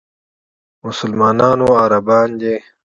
مسلمانانو عربان دي.